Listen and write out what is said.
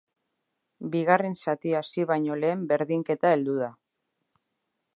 Bigarren zatia hasi baino lehen berdinketa heldu da.